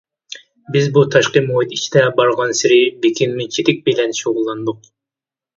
بىز بۇ تاشقى مۇھىت ئىچىدە بارغانسېرى بېكىنمىچىلىك بىلەن شۇغۇللاندۇق.